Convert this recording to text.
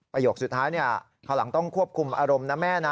โยคสุดท้ายคราวหลังต้องควบคุมอารมณ์นะแม่นะ